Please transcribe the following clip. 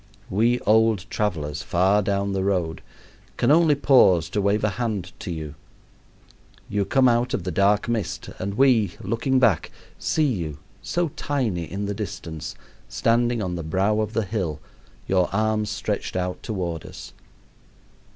We old travelers, far down the road, can only pause to wave a hand to you. You come out of the dark mist, and we, looking back, see you, so tiny in the distance, standing on the brow of the hill, your arms stretched out toward us.